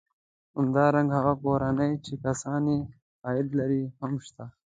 همدارنګه هغه کورنۍ چې کسان یې عاید لري هم شته